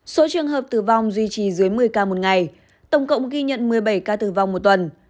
số trường hợp tử vong duy trì dưới một mươi ca một ngày tổng cộng ghi nhận một mươi bảy ca tử vong một tuần